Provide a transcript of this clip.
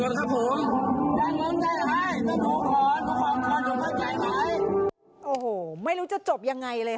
โอ้โหไม่รู้จะจบยังไงเลยค่ะ